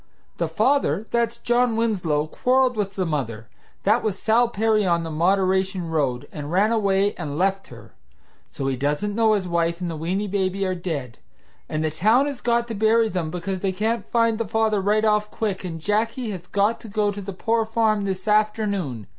The father that's John Winslow quarreled with the mother that was Sal Perry on the Moderation Road and ran away and left her. So he doesn't know his wife and the weeny baby are dead. And the town has got to bury them because they can't find the father right off quick, and Jacky has got to go to the poor farm this afternoon.